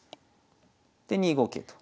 で２五桂と。